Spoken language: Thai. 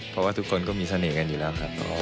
เพราะว่าทุกคนก็มีเสน่ห์กันอยู่แล้วครับ